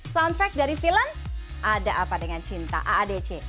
soundtrack dari film ada apa dengan cinta aadc